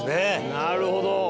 なるほど。